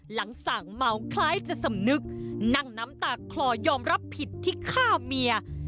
สั่งเมาคล้ายจะสำนึกนั่งน้ำตาคลอยอมรับผิดที่ฆ่าเมีย